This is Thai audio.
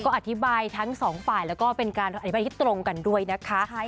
อธิบายทั้งสองฝ่ายแล้วก็เป็นการอธิบายที่ตรงกันด้วยนะคะ